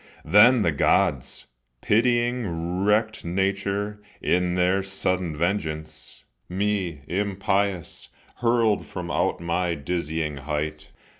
Then the Gods, Pitying wrecked nature, in their sudden vengeance, Me, impious, hurled from out my dizzying height.